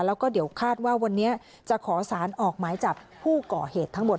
แล้วก็เดี๋ยวคาดว่าวันนี้จะขอสารออกหมายจับผู้ก่อเหตุทั้งหมด